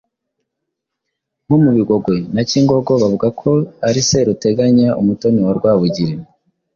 nko mu Bigogwe na Cyingogo bavuga ko ari Seruteganya umutoni wa Rwabugili